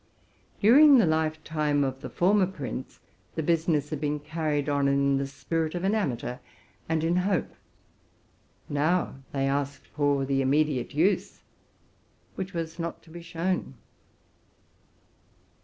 During the lifetime of the former prince, the business had been carried on in the spirit of an amateur, and in hope: now they asked for the immediate use, which was not to be shown.